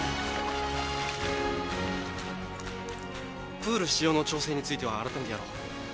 プール使用の調整については改めてやろう。